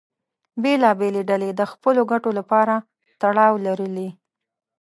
بېلابېلې ډلې د خپلو ګټو لپاره تړاو لرلې.